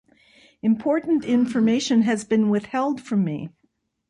Important information has been withheld from me.